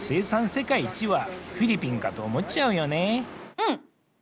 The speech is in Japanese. うん！